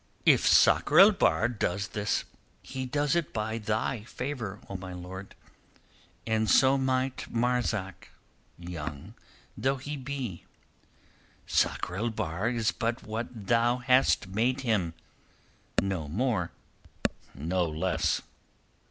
"If Sakr el Bahr does this, he does it by thy favour, O my lord. And so might Marzak, young though he be. Sakr el Bahr is but what thou hast made him—no more, no less."